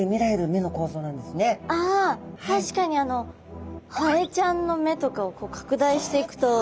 あ確かにあのハエちゃんの目とかを拡大していくと。